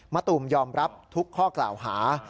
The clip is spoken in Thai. ตูมยอมรับทุกข้อกล่าวหา